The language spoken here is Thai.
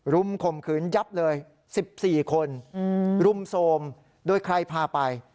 ข่มขืนยับเลย๑๔คนรุมโทรมโดยใครพาไป